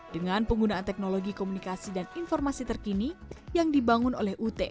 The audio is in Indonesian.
dengan penggunaan teknologi komunikasi dan informasi terkini yang dibangun oleh ut